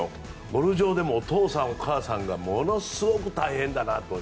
ゴルフ場でもお父さん、お母さんがものすごく大変だなと。